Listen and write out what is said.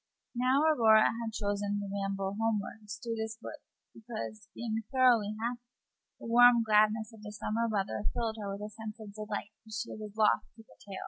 Now, Aurora had chosen to ramble homeward through this wood because, being thoroughly happy, the warm gladness of the summer weather filled her with a sense of delight which she was loath to curtail.